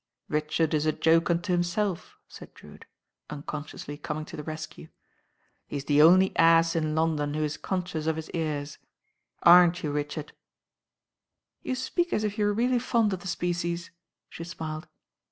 "Richard is a joke unto himself," said Drewitt, unconsciously coming to the rescue. "He's die only THE NINE DAYS ENDED t85 ass in London who is conscious of his cars. Aren't you, Richard?" "You speak as if you were really fond of the species," she smiled.